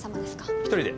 １人で。